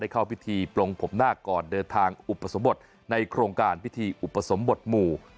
เข้าพิธีปลงผมนาคก่อนเดินทางอุปสมบทในโครงการพิธีอุปสมบทหมู่